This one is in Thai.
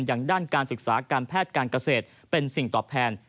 อย่างด้านการศึกษาการแพทย์การเกษตรเป็นสิ่งตอบแทน